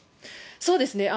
そうですね。